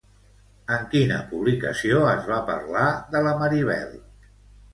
En quina publicació es va parlar de la Maribel?